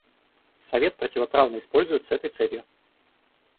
Совет противоправно используют с этой целью.